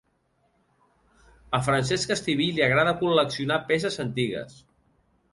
Al Francesc Estivill li agrada col·leccionar peces antigues.